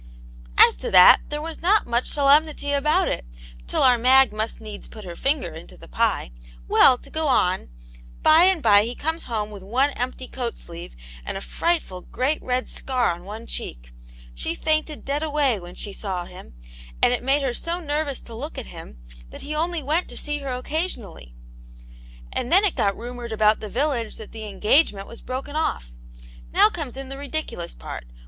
*'" As to that, there was not much solemnity about it, till our Mag must needs put her finger into the pie. Well, to go on, by and by he comes home with one empty coat sleeve, and a frightful great red scar on one cheek. She fainted dead ^w^ ^ ^V^w. ^^ 48 Aunt Janets Hero. saw him, and it made her so nervous to look at him, that he only went to see her occasionally. And then it got rumoured about the village that the engage nfient was broken off. Now comes in the ridiculous part.